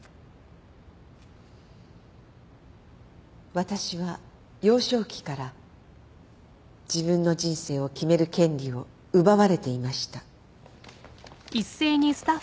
「私は幼少期から自分の人生を決める権利を奪われていました」